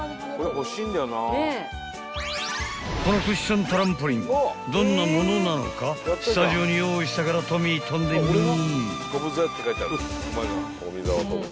［このクッショントランポリンどんなものなのかスタジオに用意したからトミー跳んでみぃ］